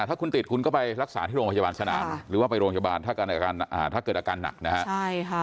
ถ้าคุณติดคุณก็ไปรักษาที่โรงพยาบาลสนามหรือว่าไปโรงพยาบาลถ้าเกิดอาการหนักนะฮะ